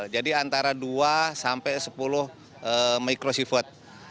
jadi antara dua sampai sepuluh mikrosifot